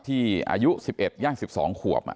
อายุ๑๑ย่าง๑๒ขวบ